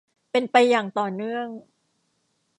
เป็นไปอย่างต่อเนื่อง